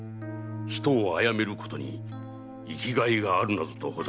人を殺めることに生きがいがあるなどとほざきおります。